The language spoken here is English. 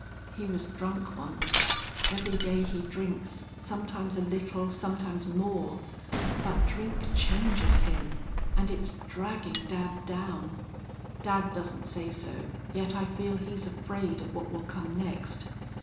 He was drunk once. Every day he drinks, sometimes a little, sometimes more. But drink changes him. And it's dragging dad down. Dad doesn't say so, yet I feel he's afraid of what will come next....